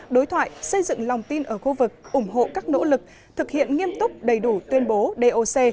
đối thoại xây dựng lòng tin ở khu vực ủng hộ các nỗ lực thực hiện nghiêm túc đầy đủ tuyên bố doc